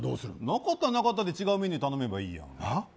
なかったらなかったらで違うメニュー頼めばいいやんはっ？